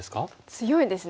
強いですね。